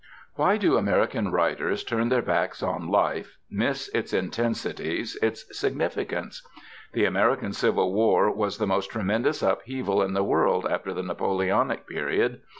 Why do American writers turn their backs on life, miss its intensities, its significance? The American Civil War was the most tremendous upheaval in the world after the Napoleonic period.